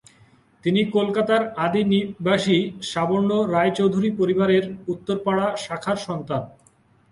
তিনি কলকাতার আদি নিবাসী সাবর্ণ রায়চৌধুরী পরিবারের উত্তরপাড়া শাখার সন্তান।